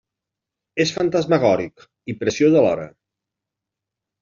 És fantasmagòric i preciós alhora.